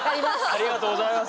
ありがとうございます。